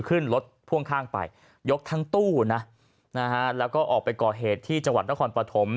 ขึ้นรถพ่วงข้างไปยกทั้งตู้นะนะฮะแล้วก็ออกไปก่อเหตุที่จังหวัดนครปฐม